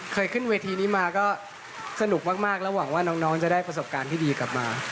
ขึ้นเวทีนี้มาก็สนุกมากแล้วหวังว่าน้องจะได้ประสบการณ์ที่ดีกลับมา